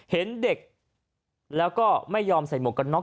เห็นเด็กแล้วก็ไม่ยอมใส่หมวกกันน็อ